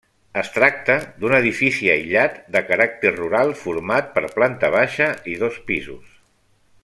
Es tracta d'un edifici aïllat de caràcter rural format per planta baixa i dos pisos.